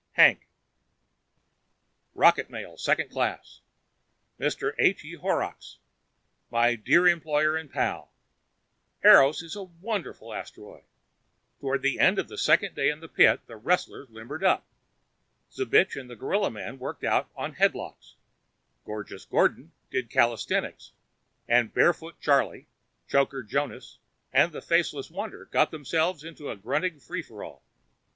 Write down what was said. HANK ROCKET MAIL (Second Class) Mr. H. E. Horrocks My dear employer and pal: Eros is a wonderful asteroid! Toward the end of the second day in the pit, the wrestlers limbered up. Zbich and the Gorilla Man worked out on headlocks, Gorgeous Gordon did calisthenics, and Barefoot Charley, Choker Jonas and the Faceless Wonder got themselves into a grunting free for all.